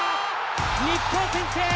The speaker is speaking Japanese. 日本先制！